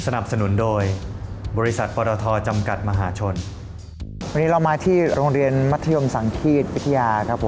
นี้ล่ะเฮ้ยมาตั้งแต่อาวาส